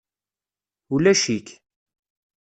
Ulac-ik.